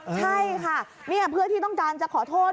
ใช่ค่ะเพื่อที่ต้องการจะขอโทษ